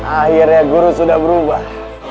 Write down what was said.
akhirnya guru sudah berubah